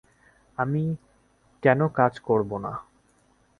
আমি কেন কাজ করব না?